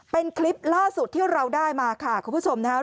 เป็นคลิปล่าสุดที่เราได้มาค่ะคุณผู้ชมนะครับ